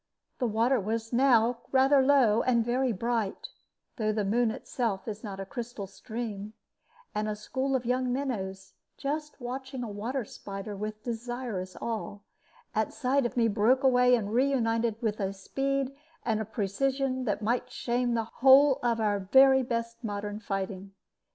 The water was now rather low, and very bright (though the Moon itself is not a crystal stream), and a school of young minnows, just watching a water spider with desirous awe, at sight of me broke away, and reunited, with a speed and precision that might shame the whole of our very best modern fighting.